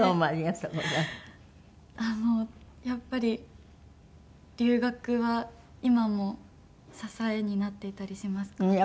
あのやっぱり留学は今も支えになっていたりしますか？